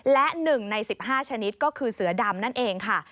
และ๑ใน๑๕ชนิดก็คือเสือดำนั่นเองค่ะ